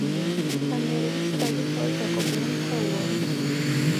განმეორებით ცდაზე თავად ჯაკობიამ თქვა უარი.